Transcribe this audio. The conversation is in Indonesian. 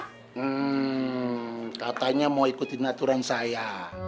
hmm katanya mau ikutin aturan saya